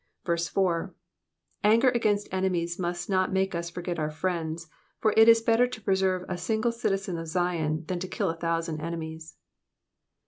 4. Anger against enemies must not make us forget our friends, for it id better to preserve a single citizen of Ziou, than to kill a thousand enemies.